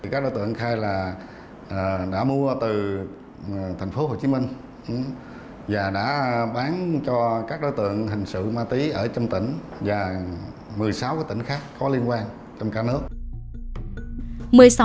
các đối tượng khai đã mua từ thành phố hồ chí minh và đã bán cho các đối tượng hình sự ma tí ở trong tỉnh và một mươi sáu tỉnh khác có liên quan trong cả nước